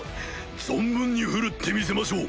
存分に振るってみせましょう。